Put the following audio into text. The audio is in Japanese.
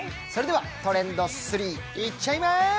それでは「トレンド３」いっちゃいます。